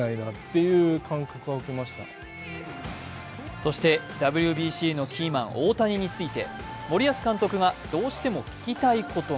そして、ＷＢＣのキーマン大谷について森保監督がどうしても聞きたいことが